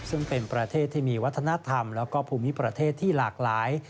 ซึ่งเป็นประเทศที่มีวัฒนธรรมและภูมิประเทศที่หลากหลาย